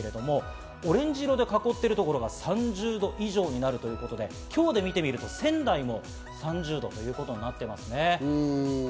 オレンジ色で囲っている所が３０度以上になるというところで、今日で見てみると、仙台も３０度を超えるということになっています。